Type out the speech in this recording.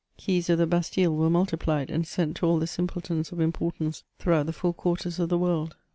Keys of the Bastille were multi plied, and sent to all the simpletons of importance throughout the four quarters of the world.